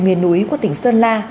nguyên núi của tỉnh sơn la